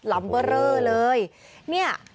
ลัมเบอร์เรอร์เลย